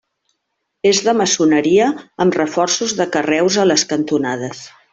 És de maçoneria amb reforços de carreus a les cantonades.